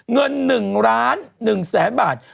เงินหนึ่งล้านหนึ่งแสนบาท